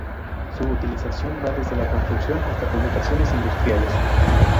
Su utilización va desde la construcción hasta aplicaciones industriales.